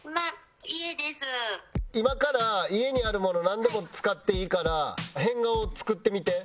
今から家にあるものなんでも使っていいから変顔作ってみて。